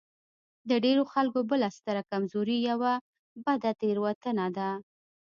د ډېرو خلکو بله ستره کمزوري يوه بده تېروتنه ده.